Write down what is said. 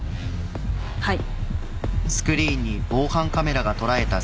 はい。